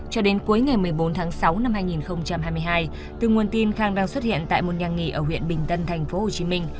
cho đến cuối ngày một mươi bốn tháng sáu năm hai nghìn hai mươi hai từ nguồn tin khang đang xuất hiện tại một nhà nghỉ ở huyện bình tân tp hcm